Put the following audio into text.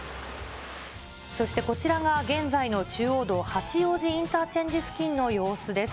そしてこちらが現在の中央道八王子インターチェンジ付近の様子です。